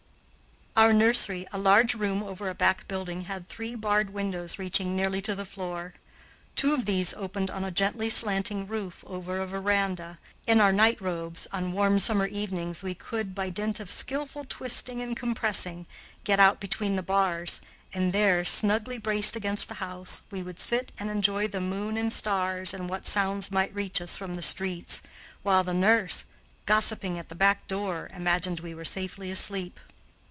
Our nursery, a large room over a back building, had three barred windows reaching nearly to the floor. Two of these opened on a gently slanting roof over a veranda. In our night robes, on warm summer evenings we could, by dint of skillful twisting and compressing, get out between the bars, and there, snugly braced against the house, we would sit and enjoy the moon and stars and what sounds might reach us from the streets, while the nurse, gossiping at the back door, imagined we were safely asleep.